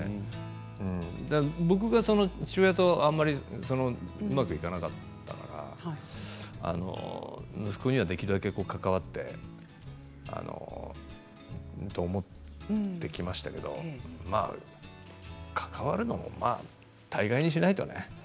僕が父親と、あまりうまくいかなかったから息子にはできるだけ関わってと思ってきましたけど、関わるのもまあ大概にしないとね。